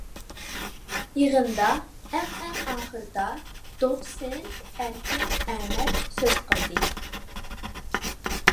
يىغىندا ئەڭ ئەڭ ئاخىرىدا دوتسېنت ئەركىن ئەمەت سۆز قىلدى.